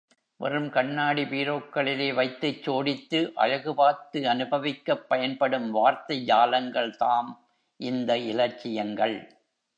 வெறும் கண்ணாடி பீரோக்களிலே வைத்துச் சோடித்து, அழகு பார்த்து அனுபவிக்கப் பயன்படும் வார்த்தை ஜாலங்கள்தாம் இந்த இலட்சியங்கள்!...